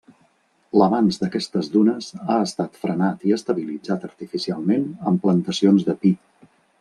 L'avanç d'aquestes dunes, ha estat frenat i estabilitzat artificialment amb plantacions de pi.